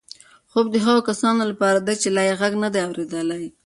خوب د هغو کسانو لپاره دی چې لا یې غږ نه دی اورېدلی.